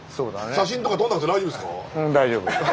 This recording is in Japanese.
写真とか撮んなくて大丈夫ですか？